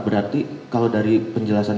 berarti kalau dari penjelasan